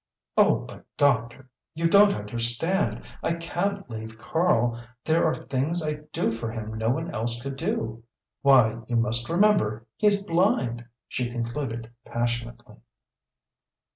"Oh, but, doctor you don't understand! I can't leave Karl. There are things I do for him no one else could do. Why you must remember he's blind!" she concluded, passionately.